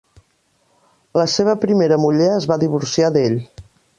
La seva primera muller es va divorciar d'ell.